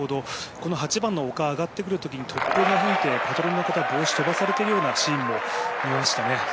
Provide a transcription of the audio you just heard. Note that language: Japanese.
この８番の丘上がってくるときに突風が吹いて、パトロンの方、帽子飛ばされてるようなシーンも見ましたね。